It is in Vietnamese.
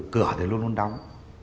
cửa thì luôn luôn đóng